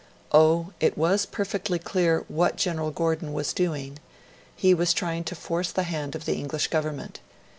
Oh! it was perfectly clear what General Gordon was doing: he was trying to force the hand of the English Government.